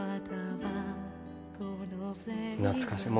懐かしい。